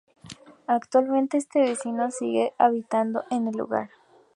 Actualmente, este vecino sigue habitando en el lugar.